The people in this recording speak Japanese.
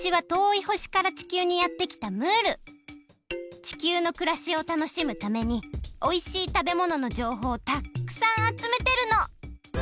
地球のくらしをたのしむためにおいしいたべもののじょうほうをたっくさんあつめてるの！